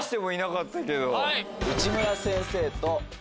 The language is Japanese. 内村先生と。